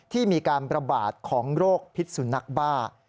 ที่มีการประบาดของโรคพิษสุนัขบ้า